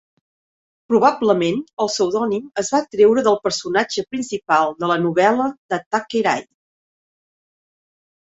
Probablement, el pseudònim es va treure del personatge principal de la novel·la de Thackeray.